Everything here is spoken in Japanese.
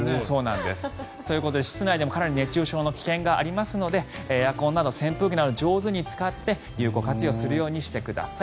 ということで室内でもかなり熱中症の危険がありますのでエアコンや扇風機など上手に使って有効活用するようにしてください。